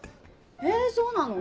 えそうなの？